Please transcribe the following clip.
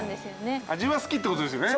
味は好きってことですよね？